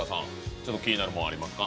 ちょっと気になるものありますか？